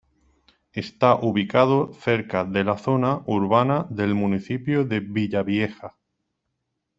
Está ubicado cerca de la zona urbana del municipio de Villavieja.